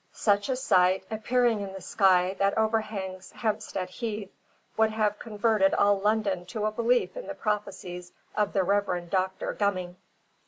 Such a sight, appearing in the sky that overhangs Hampstead Heath, would have converted all London to a belief in the prophecies of the Reverend Doctor Gumming.